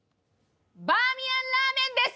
バーミヤンラーメンです！